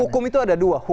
jadi hukum itu ada dua